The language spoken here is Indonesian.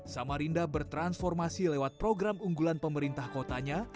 samarinda bertransformasi lewat program unggulan pemerintah kotanya